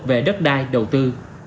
về đất đai đầu tư